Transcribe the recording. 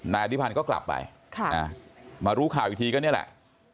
อธิพันธ์ก็กลับไปมารู้ข่าวอีกทีก็นี่แหละ